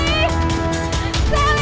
ibu apa apa bu